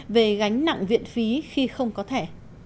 về gánh nặng viện phí khi không có thẻ